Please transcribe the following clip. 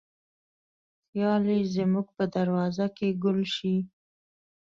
خیال یې زموږ په دروازه کې ګل شي